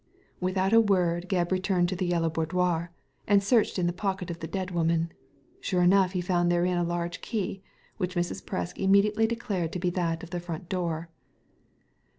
Without a word Gebb returned to the Yellow Boudoir, and searched in the pocket of the dead woman. Sure enough he found therein a large key which Mrs. Presk immediately declared to be that of the front door.